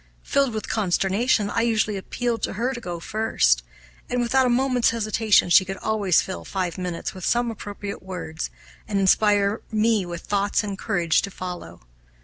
Filled with consternation, I usually appealed to her to go first; and, without a moment's hesitation, she could always fill five minutes with some appropriate words and inspire me with thoughts and courage to follow.